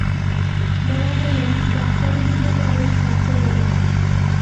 বাবা বললেন, ডাক্তারি বিদ্যে কেবল শাস্ত্রগত নয়।